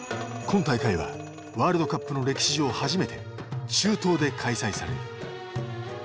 今大会はワールドカップの歴史上初めて中東で開催される。